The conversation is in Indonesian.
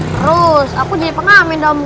terus aku jadi pengamin dong